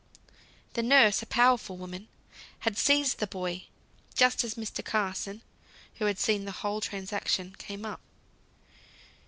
The nurse, a powerful woman, had seized the boy, just as Mr. Carson (who had seen the whole transaction) came up.